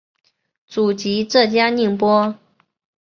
祖籍浙江宁波。